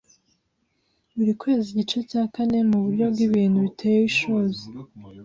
buri kwezi igice cya kane, muburyo bwibi bintu biteye ishozi.